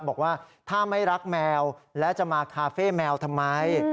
บอกว่าถ้าไม่รักแมวและจะมาคาเฟ่แมวทำไม